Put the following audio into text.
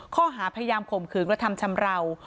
ข้อหาพยายามข่มขืนกระทำชำราว